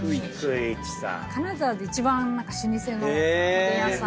金沢で一番老舗のおでん屋さん。